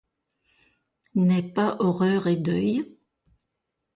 N’est pas horreur et deuil ?